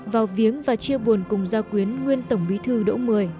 vào viếng và chia buồn cùng ra quyến nguyên tổng bí thư đỗ một mươi